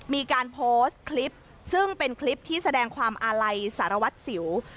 มีการโพสต์คลิปซึ่งเป็นคลิปที่แสดงความอาลัยสารวัตรสิว